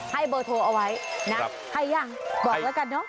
ให้เบอร์โทรเอาไว้นะให้ยังบอกแล้วกันเนอะ